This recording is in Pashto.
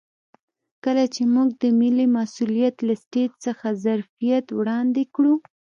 کله چې موږ د ملي مسوولیت له سټیج څخه ظرفیت وړاندې کړو.